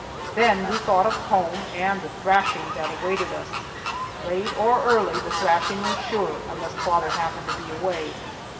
Then we thought of home and the thrashing that awaited us. Late or early, the thrashing was sure, unless father happened to be away.